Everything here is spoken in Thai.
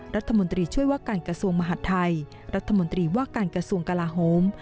รัฐมนตรีช่วยว่าการกระทรวงมหาดไทยรัฐมนตรีว่าการกระทรวงกลาโฮม